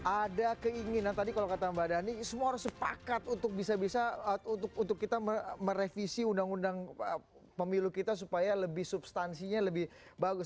ada keinginan tadi kalau kata mbak dhani semua orang sepakat untuk bisa bisa untuk kita merevisi undang undang pemilu kita supaya lebih substansinya lebih bagus